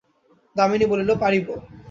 দামিনী বলিল, পারিব।